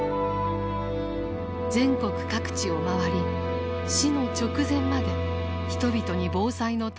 全国各地を回り死の直前まで人々に防災の大切さを訴えた。